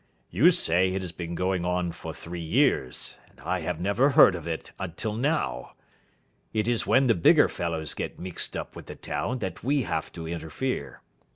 "You say it has been going on for three years; and I have never heard of it till now. It is when the bigger fellows get mixed up with the town that we have to interfere.